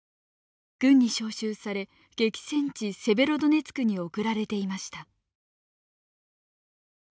軍に招集され激戦地セベロドネツクに送られていました。